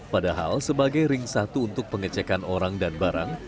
padahal sebagai ring satu untuk pengecekan orang dan barang